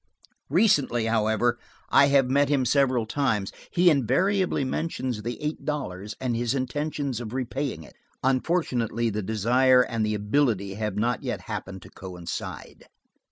Recently, however, I have met him several times. He invariably mentions the eight dollars and his intention of repaying it. Unfortunately, the desire and the ability have not yet happened to coincide.